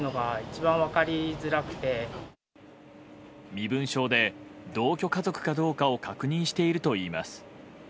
身分証で同居家族かどうかを確認しているといいます。